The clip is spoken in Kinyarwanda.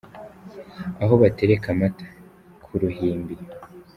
Aho batereka Amata : Ku Ruhimbi.